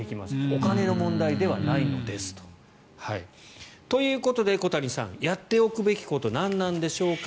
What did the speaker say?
お金の問題ではないのですと。ということで小谷さんやっておくべきこと何なんでしょうか。